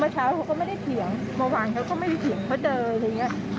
เช้าเขาก็ไม่ได้เถียงเมื่อวานเขาก็ไม่ได้เถียงเขาเจออะไรอย่างนี้